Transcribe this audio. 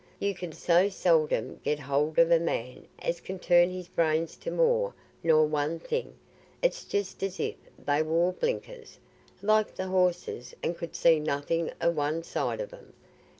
You can so seldom get hold of a man as can turn his brains to more nor one thing; it's just as if they wore blinkers like th' horses and could see nothing o' one side of 'em.